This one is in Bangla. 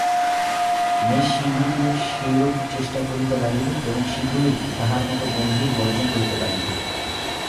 মেষ-সিংহটিও সেইরূপ চেষ্টা করিতে লাগিল এবং শীঘ্রই তাহার মত গম্ভীর গর্জন করিতে পারিল।